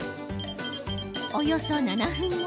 およそ７分後。